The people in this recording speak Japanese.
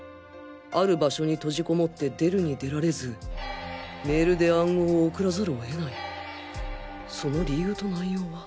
ある場所に閉じこもって出るに出られずメールで暗号を送らざるを得ないその理由と内容は